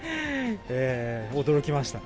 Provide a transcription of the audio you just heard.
驚きました。